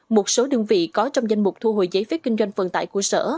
một số đơn vị có trong danh mục thu hồi giấy phép kinh doanh vận tải của sở